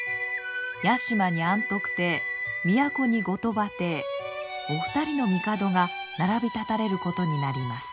屋島に安徳帝都に後鳥羽帝お二人の帝が並び立たれることになります。